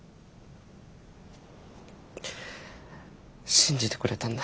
信じてくれたんだ。